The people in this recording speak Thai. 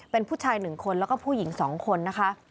เป็นผู้ชาย๑คนแล้วก็ผู้หญิง๒คนนะคะ